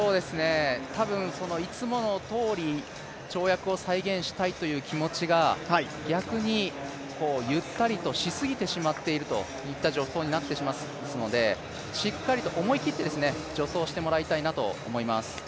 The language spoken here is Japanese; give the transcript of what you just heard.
多分、いつものとおりに跳躍を再現したいという気持ちが逆にゆったりとしすぎてしまっているという助走になっていますのでしっかりと思い切って助走してもらいたいなと思います。